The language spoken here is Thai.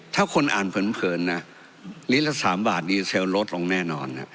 ถ้าคนอ่านเผินนะลิตรละ๓บาทดีเซลลดลงแน่นอน